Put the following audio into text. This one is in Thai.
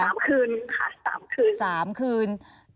๓คืนค่ะ๓คืน